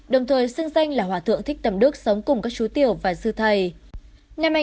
đồng thời xưng danh là hòa thượng thích tầm đức sống cùng các chú tiểu và dư thầy